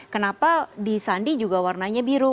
kenapa di sandi juga warnanya biru